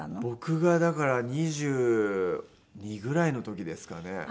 僕がだから２２ぐらいの時ですかね。